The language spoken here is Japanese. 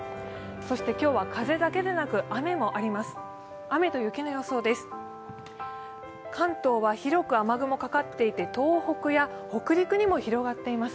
今日は風だけでなく雨もあります。